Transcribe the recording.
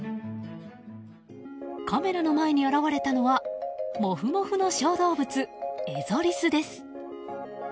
カメラの前に現れたのはモフモフの小動物、エゾリスです。